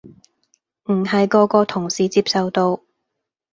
唔係個個同事接受到